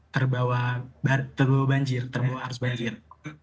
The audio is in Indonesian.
terbawa terbawa banjir terbawa harus banjir